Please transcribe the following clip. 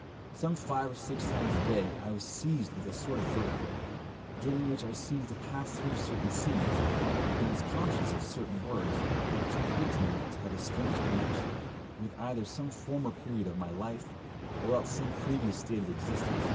Some five or six times a day I was seized with a sort of vertigo, during which I seemed to pass through certain scenes, and was conscious of certain words, which appeared to me to have a strange connection, with either some former period of my life, or else some previous state of existence.